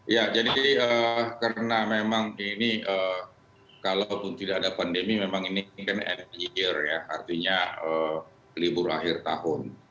ya jadi karena memang ini kalaupun tidak ada pandemi memang ini kan end year ya artinya libur akhir tahun